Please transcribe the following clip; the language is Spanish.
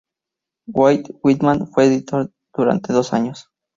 Walt Whitman fue su editor durante dos años.